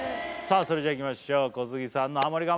それじゃいきましょう小杉さんのハモリ我慢